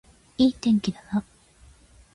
いい天気だな